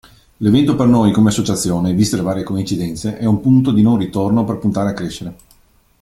L'evento per noi come associazione, viste le varie coincidenze, è un punto di non ritorno per puntare a crescere.